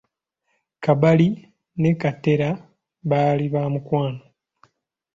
Kabali ne Kateera baali ba mukwano.